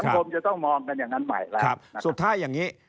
ผมจะต้องมองกันอย่างนั้นใหม่แล้วสุดท้ายอย่างนี้